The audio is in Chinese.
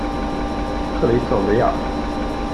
克雷特维尔。